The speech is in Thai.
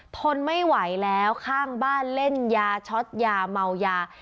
ทนไม่ไหวแล้วข้างบ้านเล่นยาช็อตยาเมายา